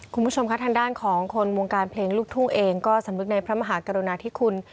คุณผู้ชมค่ะทางด้านของคนวงการเพลงลูกทุ่งเองก็สำนึกในพระมหากรุณาธิคุณ